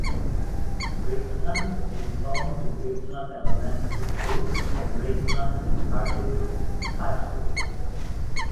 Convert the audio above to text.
Ridgeland is home to Ridgeland Elementary School and Ridgeland-Hardeeville High School.